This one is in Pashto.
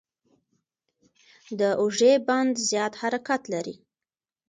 د اوږې بند زیات حرکت لري.